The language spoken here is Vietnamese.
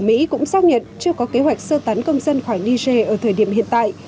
mỹ cũng xác nhận chưa có kế hoạch sơ tán công dân khỏi niger ở thời điểm hiện tại